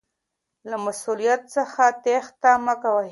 له مسؤلیت څخه تیښته مه کوئ.